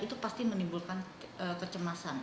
itu pasti menimbulkan kecemasan